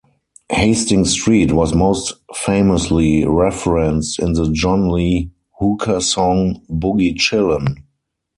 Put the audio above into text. Hastings Street was most famously referenced in the John Lee Hooker song, "Boogie Chillen'".